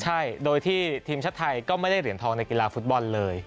ใช่โดยที่ทีมชาติไทยก็ไม่ได้เหรียญทองในกีฬาฟุตบอลเลย